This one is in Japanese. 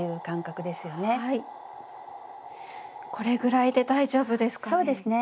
これぐらいで大丈夫ですかね？